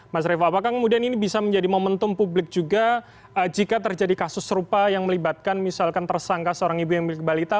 mas revo apakah kemudian ini bisa menjadi momentum publik juga jika terjadi kasus serupa yang melibatkan misalkan tersangka seorang ibu yang memiliki balita